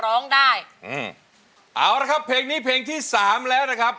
ร้องได้อืมเอาละครับเพลงนี้เพลงที่สามแล้วนะครับ